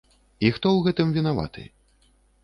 І хто ў гэтым вінаваты?